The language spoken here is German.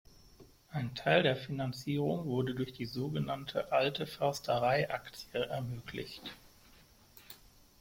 Ein Teil der Finanzierung wurde durch die so genannte „Alte-Försterei-Aktie“ ermöglicht.